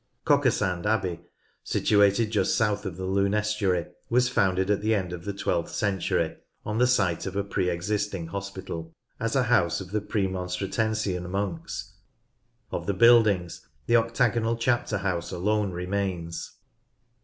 Cockersand Abbey, situated just south of the Lune estuary, was founded at the end of the twelfth century, on the site of a pre existing hospital, as a House of the Premonstratensian monks. Of the buildings, the octagonal chapter house alone remains.